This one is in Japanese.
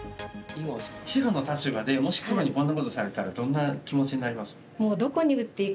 白の立場でもし黒にこんなことされたらどんな気持ちになります？